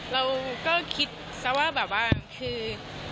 เราก็คิดซะว่าแบบว่าคือ